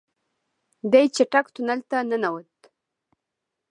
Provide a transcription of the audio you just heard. دی چټک تونل ته ننوت.